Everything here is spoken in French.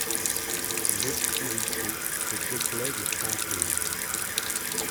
L'obscurité se peuplait de fantômes.